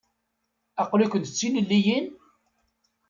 Aql-ikent d tilelliyin?